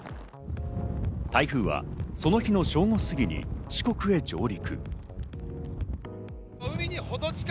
台風はその日の正午過ぎに四国へ上陸。